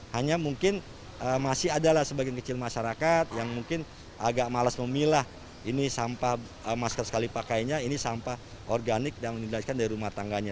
hanya mungkin masih adalah sebagian kecil masyarakat yang mungkin agak malas memilah ini sampah masker sekali pakainya ini sampah organik yang didalikan dari rumah tangganya